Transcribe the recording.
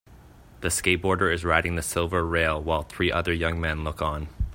The skateboarder is riding the silver rail while three other young men look on.